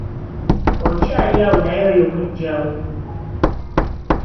Okyali awo naye oyo muggyawo.